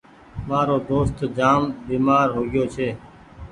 مآرو دوست بيمآر هوگيو ڇي۔